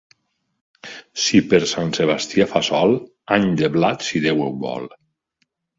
Si per Sant Sebastià fa sol, any de blat, si Déu ho vol.